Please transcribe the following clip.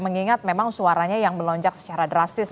mengingat memang suaranya yang melonjak secara drastis